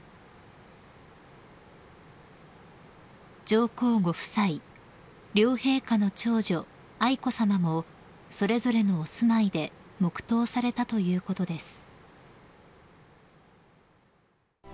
［上皇ご夫妻両陛下の長女愛子さまもそれぞれのお住まいで黙とうされたということです］